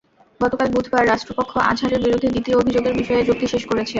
গতকাল বুধবার রাষ্ট্রপক্ষ আজহারের বিরুদ্ধে দ্বিতীয় অভিযোগের বিষয়ে যুক্তি শেষ করেছে।